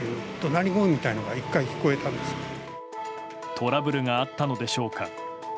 トラブルがあったのでしょうか。